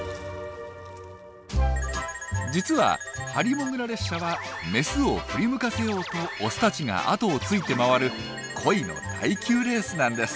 実はハリモグラ列車はメスを振り向かせようとオスたちが後をついて回る恋の耐久レースなんです。